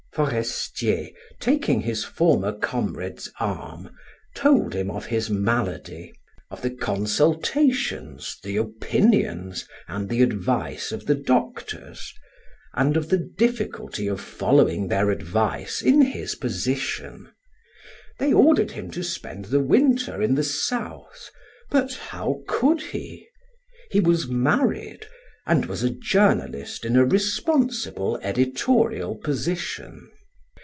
Forestier, taking his former comrade's arm, told him of his malady, of the consultations, the opinions and the advice of the doctors and of the difficulty of following their advice in his position. They ordered him to spend the winter in the south, but how could he? He was married and was a journalist in a responsible editorial position.